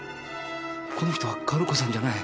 この人は薫子さんじゃない。